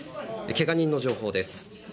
けが人の情報です。